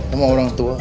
sama orang tua